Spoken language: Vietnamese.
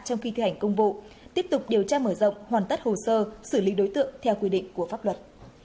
trong khi thi hành công vụ tiếp tục điều tra mở rộng hoàn tất hồ sơ xử lý đối tượng theo quy định của pháp luật